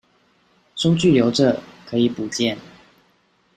收據留著，可以補件